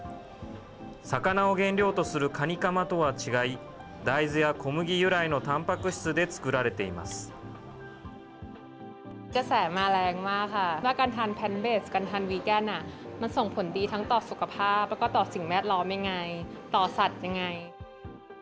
魚を原料とするカニかまとは違い、大豆や小麦由来のたんぱく質で作られています。